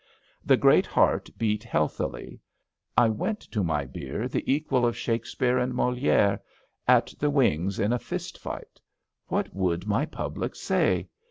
'' The great heart beat healthily. I went to my beer the equal of Shakes peare and Moliere at the wings in a first night. iWhat would my public say!